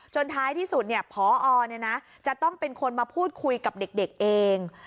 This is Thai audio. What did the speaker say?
ท้ายที่สุดพอจะต้องเป็นคนมาพูดคุยกับเด็กเอง